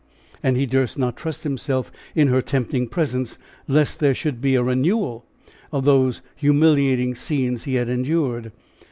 And he durst not trust himself in her tempting presence, lest there should be a renewal of those humiliating scenes he had endured.